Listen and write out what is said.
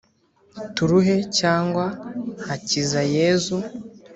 turuhe cyane hakizayezu